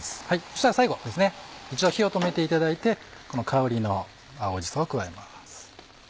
そしたら最後一度火を止めていただいてこの香りの青じそを加えます。